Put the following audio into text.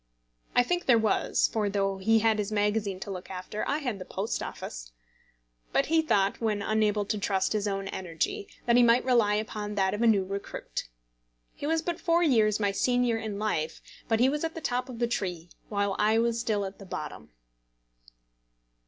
I think there was, for though he had his magazine to look after, I had the Post Office. But he thought, when unable to trust his own energy, that he might rely upon that of a new recruit. He was but four years my senior in life, but he was at the top of the tree, while I was still at the bottom.